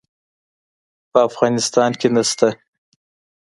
په افغانستان کې نشته